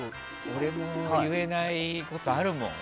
俺も言えないことあるもん。